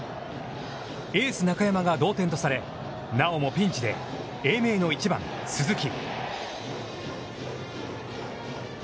エース中山が同点とされ、なおもピンチで英明の１番鈴木。